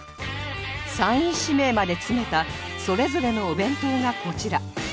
３位指名まで詰めたそれぞれのお弁当がこちら